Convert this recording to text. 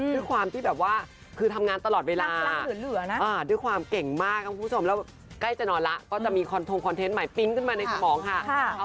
ด้วยความที่ทำงานตลอดเวลา